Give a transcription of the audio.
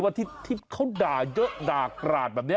ที่เขาด่าเยอะด่ากราดแบบนี้